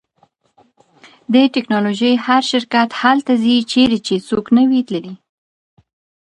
د ټیکنالوژۍ هر شرکت هلته ځي چیرې چې څوک نه وي تللی